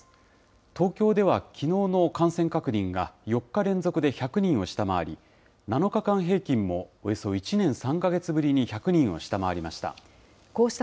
東京ではきのうの感染確認が４日連続で１００人を下回り、７日間平均もおよそ１年３か月ぶりに１００人を下回りました。